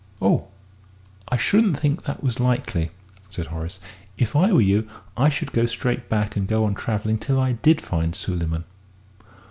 "Oh, I shouldn't think that was likely," said Horace. "If I were you, I should go straight back and go on travelling till I did find Suleyman."